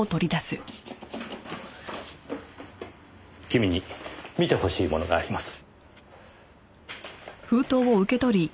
君に見てほしいものがあります。